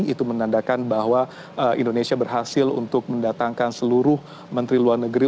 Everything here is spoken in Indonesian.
itu menandakan bahwa indonesia berhasil untuk mendatangkan seluruh menteri luar negeri